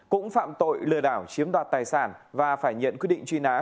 cũng phạm tội lừa đảo chiếm đoạt tài sản và phải nhận quyết định truy nã